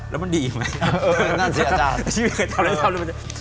แล้วมันดีไหม